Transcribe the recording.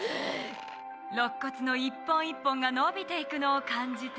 肋骨の１本１本が伸びていくのを感じて。